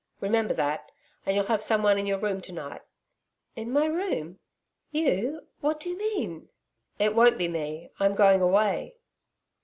Remember that. And you'll have someone in your room to night.' 'In my room YOU? What do you mean?' 'It won't be me I'm going away.'